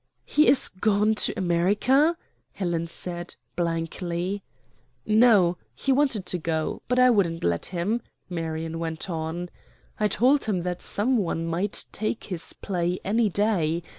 "He is gone to America!" Helen said, blankly. "No, he wanted to go, but I wouldn't let him," Marion went on. "I told him that some one might take his play any day.